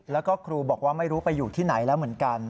แล้วก็ครูบอกว่าไม่รู้ไปอยู่ที่ไหนแล้วเหมือนกัน